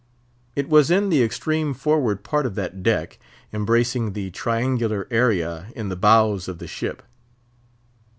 It was in the extreme forward part of that deck, embracing the triangular area in the bows of the ship.